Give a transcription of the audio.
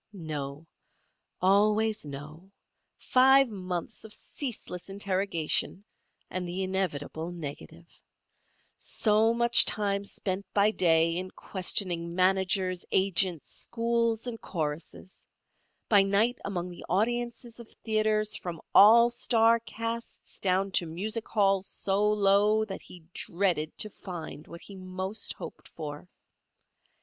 No. Always no. Five months of ceaseless interrogation and the inevitable negative. So much time spent by day in questioning managers, agents, schools and choruses; by night among the audiences of theatres from all star casts down to music halls so low that he dreaded to find what he most hoped for.